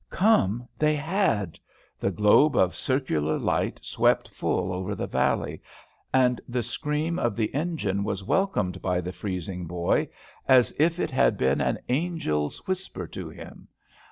Come they had! The globe of circular light swept full over the valley, and the scream of the engine was welcomed by the freezing boy as if it had been an angel's whisper to him.